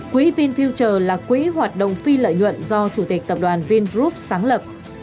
quỹ vinfielter là quỹ hoạt động phi lợi nhuận do chủ tịch tập đoàn vingroup sáng lập